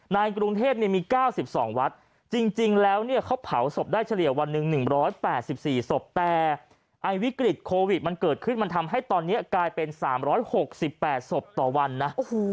ในกรุงเทพมี๙๒วัดจริงแล้วเนี่ยเขาเผาศพได้เฉลี่ยวันหนึ่ง๑๘๔ศพแต่ไอ้วิกฤตโควิดมันเกิดขึ้นมันทำให้ตอนนี้กลายเป็น๓๖๘ศพต่อวันนะ